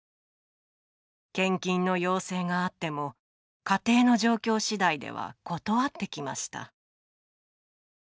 「献金の要請があっても家庭の状況次第では断ってきました」